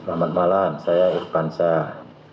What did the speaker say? selamat malam saya irfan syah